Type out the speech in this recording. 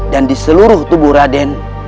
di seluruh tubuh raden